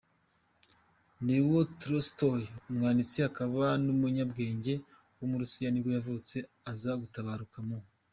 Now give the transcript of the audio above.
Leo Tolstoy, umwanditsi akaba n’umucurabwenge w’umurusiya nibwo yavutse, aza gutabaruka mu .